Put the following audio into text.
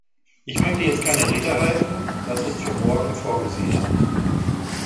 Ich möchte jetzt keine Rede halten, das ist für morgen vorgesehen.